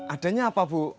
adanya apa bu